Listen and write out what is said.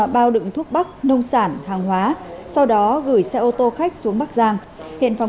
bao đựng thuốc bắc nông sản hàng hóa sau đó gửi xe ô tô khách xuống bắc giang hiện phòng